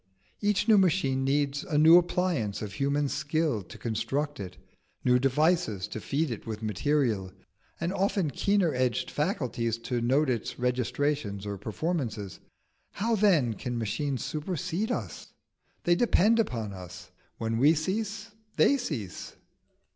Each new machine needs a new appliance of human skill to construct it, new devices to feed it with material, and often keener edged faculties to note its registrations or performances. How then can machines supersede us? they depend upon us. When we cease, they cease."